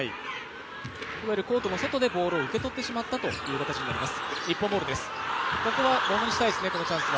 コートの外でボールを受け取ってしまったという形になります。